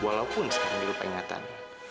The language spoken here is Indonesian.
walaupun sekarang dia lupa ingatan